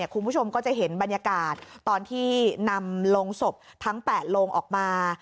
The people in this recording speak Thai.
คุณผู้ชมก็จะเห็นบรรยากาศตอนที่นำโรงศพทั้ง๘โลงออกมา